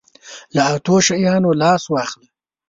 له اتو شیانو لاس واخله.